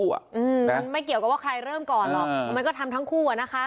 มันไม่เกี่ยวกับว่าใครเริ่มก่อนหรอกมันก็ทำทั้งคู่อ่ะนะคะ